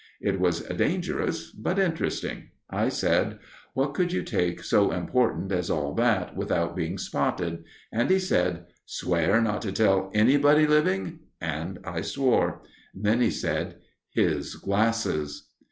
It was dangerous, but interesting. I said: "What could you take so important as all that, without being spotted?" And he said: "Swear not to tell anybody living." And I swore. Then he said: "His glasses!"